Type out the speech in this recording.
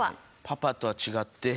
パパとは違って。